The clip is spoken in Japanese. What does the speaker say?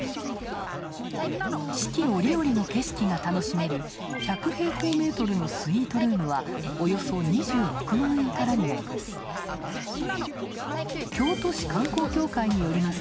四季折々の景色が楽しめる１００平方メートルのスイートルームはおよそ２６万円からになります。